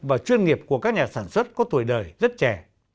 và chuyên nghiệp của các nhà sản xuất có tuổi đời rất trẻ